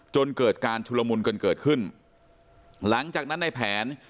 จนเกิดการชุลมุนกันเกิดขึ้นหลังจากนั้นในแผน